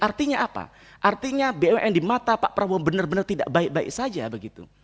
artinya apa artinya bumn di mata pak prabowo benar benar tidak baik baik saja begitu